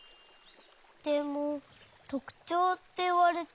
でもとくちょうっていわれても。